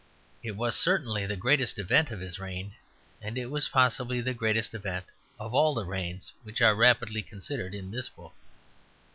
It was certainly the greatest event of his reign; and it was possibly the greatest event of all the reigns which are rapidly considered in this book.